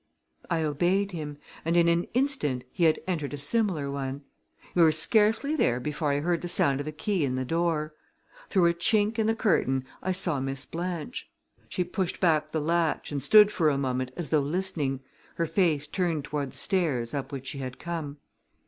I obeyed him, and in an instant he had entered a similar one. We were scarcely there before I heard the sound of a key in the door. Through a chink in the curtain I saw Miss Blanche. She pushed back the latch and stood for a moment as though listening, her face turned toward the stairs up which she had come.